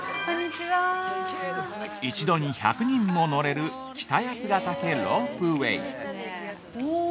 ◆一度に１００人も乗れる北八ヶ岳ロープウェイ。